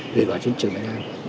để đoàn trên trường miền nam